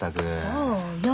そうよ。